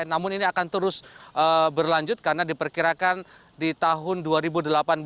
namun ini akan terus berlanjut karena diperkirakan di tahun dua ribu delapan belas